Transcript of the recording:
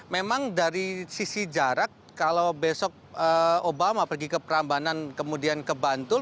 memang dari sisi jarak kalau besok obama pergi ke prambanan kemudian ke bantul